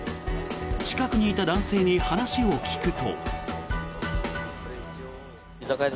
近くにいた男性に話を聞くと。